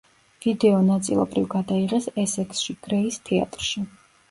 ვიდეო ნაწილობრივ გადაიღეს ესექსში, გრეის თეატრში.